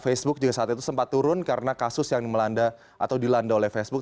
facebook juga saat itu sempat turun karena kasus yang melanda atau dilanda oleh facebook